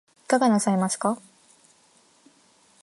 いかがなさいますか